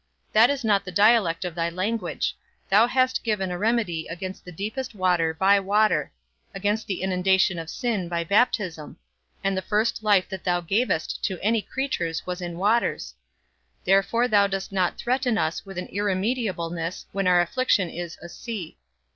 That is not the dialect of thy language; thou hast given a remedy against the deepest water by water; against the inundation of sin by baptism; and the first life that thou gavest to any creatures was in waters: therefore thou dost not threaten us with an irremediableness when our affliction is a sea.